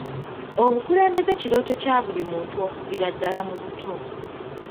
Obukulembeze kirooto kya buli muntu okuviira ddaala mu buto.